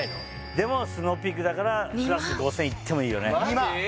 でもＳｎｏｗＰｅａｋだからプラス５０００いってもいいよね